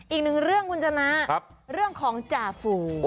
อีกหนึ่งเรื่องคุณชนะเรื่องของจ่าฝู